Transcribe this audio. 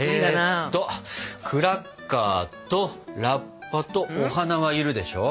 えっとクラッカーとラッパとお花は要るでしょ。